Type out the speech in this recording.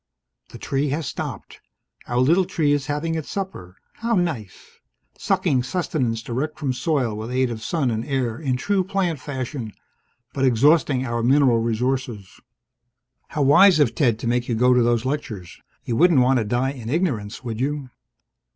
The tree has stopped. Our little tree is having its supper. How nice. Sucking sustenance direct from soil with aid of sun and air in true plant fashion but exhausting our mineral resources. (How wise of Ted to make you go to those lectures! You wouldn't want to die in ignorance, would you?)